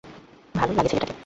ভালোই লাগে ছেলেটাকে।